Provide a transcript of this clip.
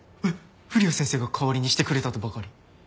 古谷先生が代わりにしてくれたとばかり。